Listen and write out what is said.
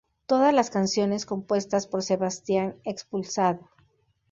Todas las canciones compuestas por Sebastián Expulsado.